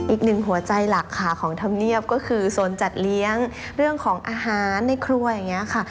อีกหนึ่งหัวใจหลักค่ะของธรรมเนียบก็คือโซนจัดเลี้ยงเรื่องของอาหารในครัวอย่างนี้ค่ะ